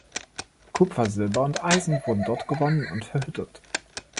Kupfer, Silber und Eisen wurde dort gewonnen und verhüttet.